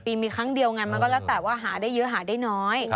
ปีมีครั้งเดียวไงมันก็แล้วแต่ว่าหาได้เยอะหาได้น้อย